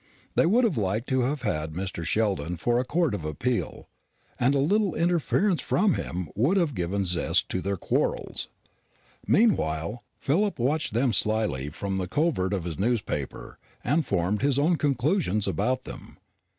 They would have liked to have had Mr. Sheldon for a court of appeal; and a little interference from him would have given zest to their quarrels. Meanwhile Philip watched them slyly from the covert of his newspaper, and formed his own conclusions about them.